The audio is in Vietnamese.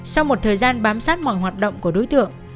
sau một thời gian bám sát mọi hoạt động của đối tượng